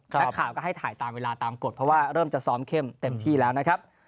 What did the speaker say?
นักข่าวก็ให้ถ่ายตามเวลาตามกฎเพราะว่าเริ่มจะซ้อมเข้มเต็มที่แล้วนะครับ